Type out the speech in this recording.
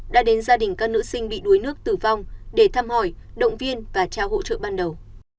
đã đến gia đình các nữ sinh bị đuối nước tử vong để thăm hỏi động viên và trao hỗ trợ ban đầu